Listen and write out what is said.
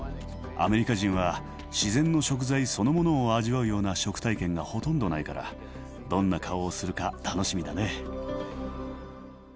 アメリカ人は自然の食材そのものを味わうような食体験がほとんどないからどんな顔をするか楽しみだね。